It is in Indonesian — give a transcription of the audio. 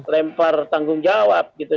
lempar tanggung jawab gitu